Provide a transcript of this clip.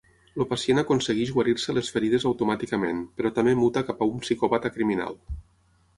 El pacient aconsegueix guarir-se les ferides automàticament, però també muta cap a un psicòpata criminal.